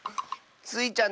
スイちゃん